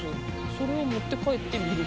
それを持って帰って見る。